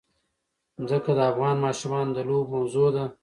ځمکه د افغان ماشومانو د لوبو موضوع ده.